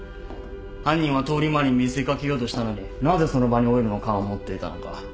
犯人は通り魔に見せかけようとしたのになぜその場にオイルの缶を持っていたのか。